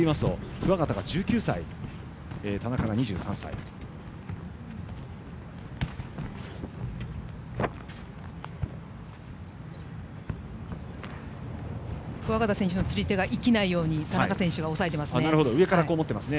桑形選手の釣り手が生きないように田中選手が押さえていますね。